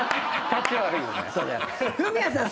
フミヤさん